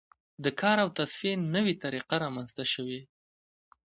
د کار او تصفیې نوې طریقې رامنځته شوې.